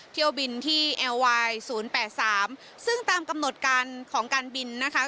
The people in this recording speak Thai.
เที่ยวบินที่เอลวาย๐๘๓ซึ่งตามกำหนดการของการบินนะคะ